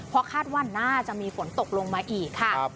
เพราะคาดว่าน่าจะมีฝนตกลงมาอีกค่ะ